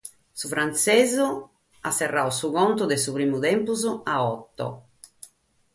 Su frantzesu nche serrat su contu de su primu tempus a oto.